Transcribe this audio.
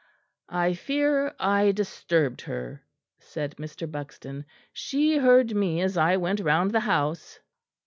"I fear I disturbed her," said Mr. Buxton. "She heard me as I went round the house."